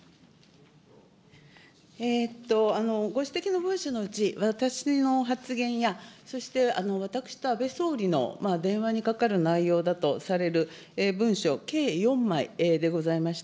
ご指摘の文書のうち、私の発言や、そして、私と安倍総理の電話にかかる内容だとされる文書計４枚でございました。